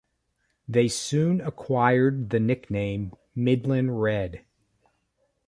They soon acquired the nickname Midland Red.